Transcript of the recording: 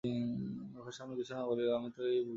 মুখের সামনে কিছু না বলিলেই হইল, আমি তো এই বুঝি।